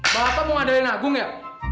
bapak mau ngadain agung ya